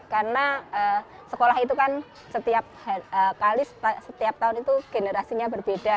karena sekolah itu kan setiap tahun itu generasinya berbeda